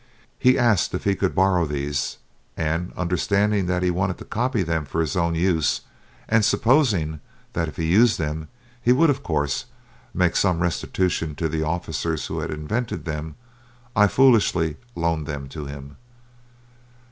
He asked if he could borrow these, and, understanding that he wanted to copy them for his own use, and supposing that if he used them, he would, of course, make some restitution to the officers who had invented them, I foolishly loaned them to him.